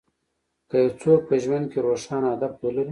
که يو څوک په ژوند کې روښانه هدف ولري.